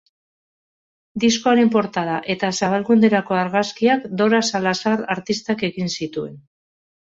Diskoaren portada eta zabalkunderako argazkiak Dora Salazar artistak egin zituen.